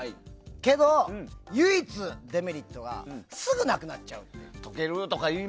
けど、唯一のデメリットがすぐなくなっちゃう。